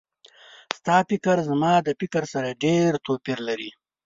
ستا فکر زما د فکر سره ډېر توپیر لري